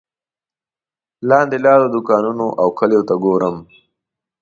لاندې لارو دوکانونو او کلیو ته ګورم.